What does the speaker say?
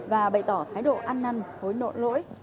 và bày tỏ thái độ ăn năn hối lộ lỗi